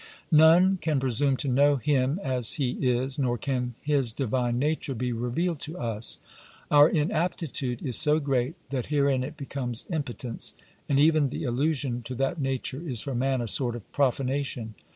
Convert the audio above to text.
^ None can presume to know Him as He is, nor can His divine nature be revealed to us.^ Our inaptitude is so great that herein it becomes impotence, and even the allusion to that nature is for man a sort of profanation.